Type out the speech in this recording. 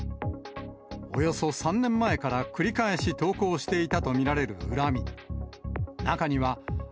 およそ３年前から繰り返し投稿していたと見られる恨み。